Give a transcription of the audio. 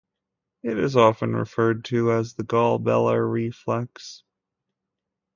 It is often referred to as the glabellar reflex.